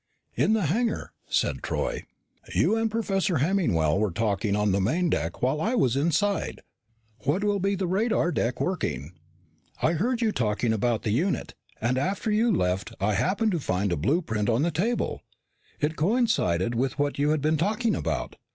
"In the hangar," said Troy. "You and Professor Hemmingwell were talking on the main deck while I was inside what will be the radar deck working. I heard you talking about the unit, and after you left, I happened to find a blueprint on the table. It coincided with what you had been talking about.